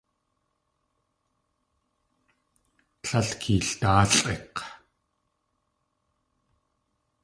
Líl keeldáalʼik̲!